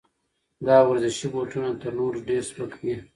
دا ورزشي بوټونه تر نورو ډېر سپک دي.